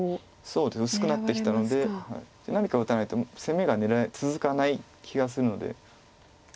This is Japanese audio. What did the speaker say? そうですね薄くなってきたので何か打たないと攻めが続かない気がするので。